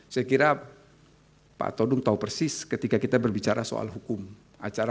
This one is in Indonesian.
saya kira pak todung tahu persis ketika kita berbicara soal hukum acara